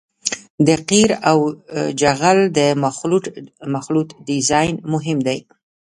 د قیر او جغل د مخلوط ډیزاین مهم دی